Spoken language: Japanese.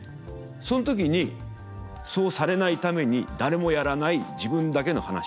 そん時にそうされないために誰もやらない自分だけの噺をこさえて。